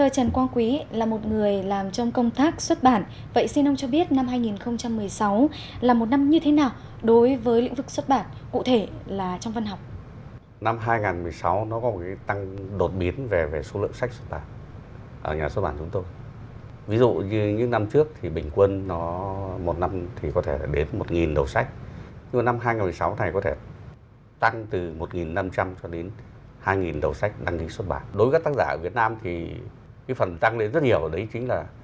đối với các tác giả ở việt nam thì cái phần tăng lên rất nhiều ở đấy chính là